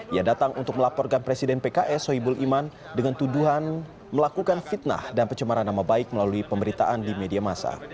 ia datang untuk melaporkan presiden pks sohibul iman dengan tuduhan melakukan fitnah dan pencemaran nama baik melalui pemberitaan di media masa